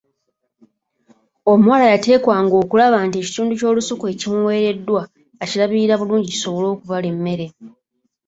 Omuwala yateekwa ng’okulaba nti ekitundu ky’olusuku ekimuweereddwa akirabirira bulungi kisobole okubala emmere.